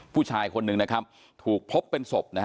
ผู้ชายคนนึงถูกพบเป็นศพ